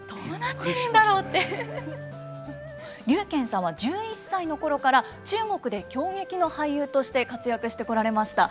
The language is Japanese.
劉妍さんは１１歳の頃から中国で京劇の俳優として活躍してこられました。